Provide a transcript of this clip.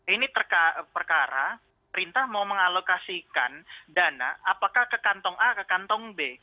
ini perkara perintah mau mengalokasikan dana apakah ke kantong a ke kantong b